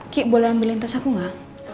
cik boleh ambilin tas kenapa unterang baju aku gak